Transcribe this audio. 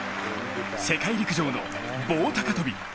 世界陸上の棒高跳。